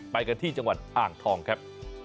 ไปกันที่จังหวัดอ่างทองครับ